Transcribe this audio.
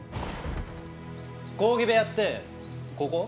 講義部屋ってここ？